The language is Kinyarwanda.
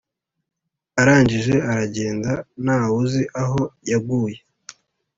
arangije aragenda. nta wuzi aho yaguye.